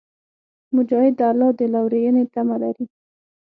مجاهد د الله د لورینې تمه لري.